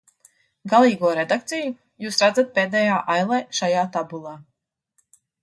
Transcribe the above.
Galīgo redakciju jūs redzat pēdējā ailē šajā tabulā.